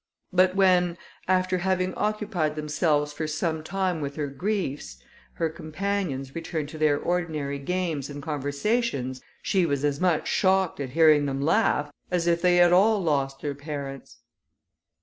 But when, after having occupied themselves for some time with her griefs, her companions returned to their ordinary games and conversations, she was as much shocked at hearing them laugh, as if they had all lost their parents.